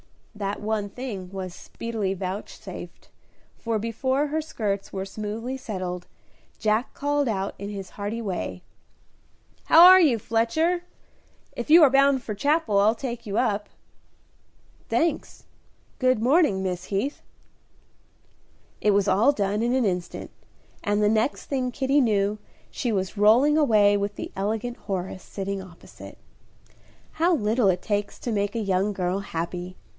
That one thing was speedily vouchsafed, for before her skirts were smoothly settled, Jack called out, in his hearty way, "How are you, Fletcher? If you are bound for Chapel I'll take you up." "Thanks; good morning, Miss Heath." It was all done in an instant, and the next thing Kitty knew she was rolling away with the elegant Horace sitting opposite. How little it takes to make a young girl happy!